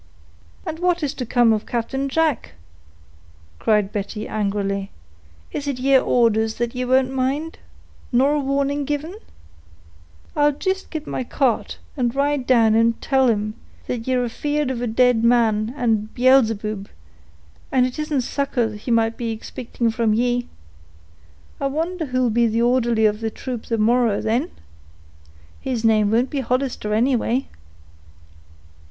"And what is to come of Captain Jack?" cried Betty, angrily. "Is it yeer orders that ye won't mind, nor a warning given? I'll jist git my cart, and ride down and tell him that ye're afeard of a dead man and Beelzeboob; and it isn't succor he may be expicting from ye. I wonder who'll be the orderly of the troop the morrow, then?—his name won't be Hollister, anyway."